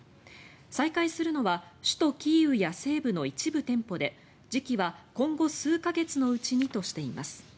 再開するのは首都キーウや西部の一部店舗で時期は今後数か月のうちにとしています。